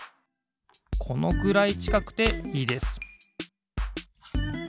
このくらいちかくていいです